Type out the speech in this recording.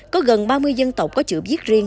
có gần ba mươi dân tộc có chữ b